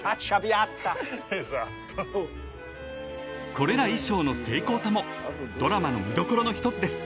［これら衣装の精巧さもドラマの見どころの一つです］